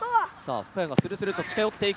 深谷がするすると近寄っていった。